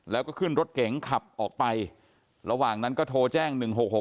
แล้วก็ขึ้นรถเก๋งขับออกไประหว่างนั้นก็โทรแจ้ง๑๖๖